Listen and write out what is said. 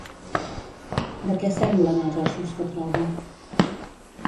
De què semblen els ossos que troba?